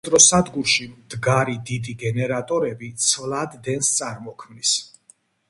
ელექტროსადგურში მდგარი დიდი გენერატორები ცვლად დენს წარმოქმნის.